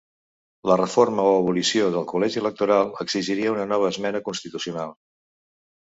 La reforma o abolició del col·legi electoral exigiria una nova esmena constitucional.